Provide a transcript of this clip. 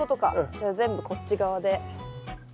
じゃあ全部こっち側で。